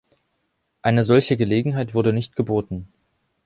Eine solche Gelegenheit wurde nicht geboten.